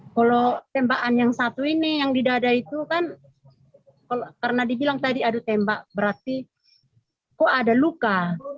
kalau tembakan yang satu ini yang di dada itu kan karena dibilang tadi adu tembak berarti kok ada luka